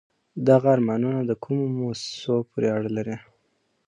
دغه آرمانون د کومو موسسو پورې اړه لري؟